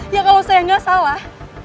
ya kalau saya nggak salah